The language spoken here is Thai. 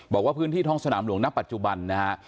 บอกว่าพื้นที่ท้องสนามหลวงณปัจจุบันนะฮะ